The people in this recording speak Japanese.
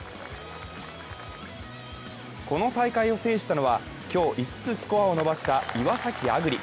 この大会を制したのは今日５つスコアを伸ばした岩崎亜久竜。